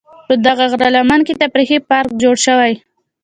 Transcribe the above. په دغه غره لمن کې تفریحي پارک جوړ شوی.